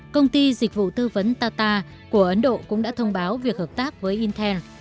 công ty dịch vụ tư vấn tata của ấn độ cũng đã thông báo việc hợp tác với intel